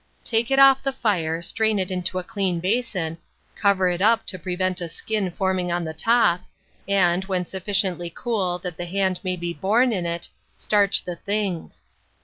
Take it off the fire, strain it into a clean basin, cover it up to prevent a skin forming on the top, and, when sufficiently cool that the hand may be borne in it, starch the things.